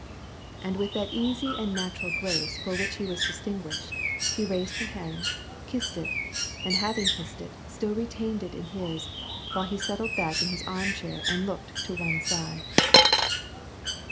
And with that easy and natural grace for which he was di! tinguished, he raised her hand, kissed it, and having kissed i1 still retained it in his, while he settled back in his arm cJ and looked to one side.